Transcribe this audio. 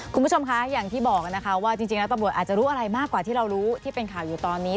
คุณผู้ชมคะอย่างที่บอกนะคะว่าจริงแล้วตำรวจอาจจะรู้อะไรมากกว่าที่เรารู้ที่เป็นข่าวอยู่ตอนนี้